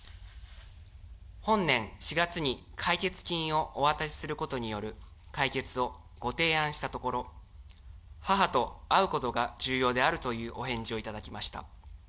本年４月に解決金をお渡しすることによる解決をご提案したところ、母と会うことが重要であるというお返事を頂きました。